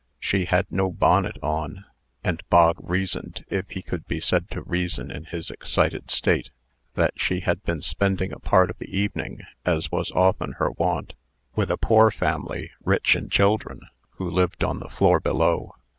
She had no bonnet on; and Bog reasoned (if he could be said to reason in his excited state) that she had been spending a part of the evening, as was often her wont, with a poor family, rich in children, who lived on the floor below.